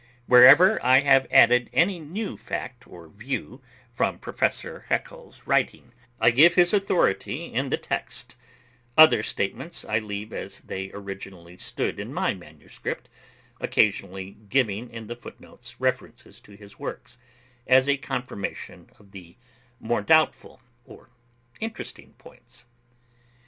Wherever I have added any fact or view from Prof. Haeckel's writings, I give his authority in the text; other statements I leave as they originally stood in my manuscript, occasionally giving in the foot notes references to his works, as a confirmation of the more doubtful or interesting points.